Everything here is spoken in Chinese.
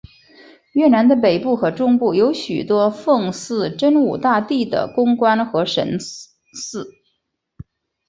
越南的北部和中部有许多奉祀真武大帝的宫观和神祠。